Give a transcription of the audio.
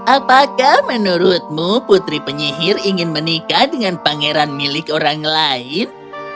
apakah menurutmu putri penyihir ingin menikah dengan pangeran milik orang lain